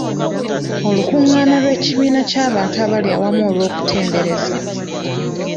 Olukungaana ky'ekibiina ky'abantu abali awamu olw'okutendereza.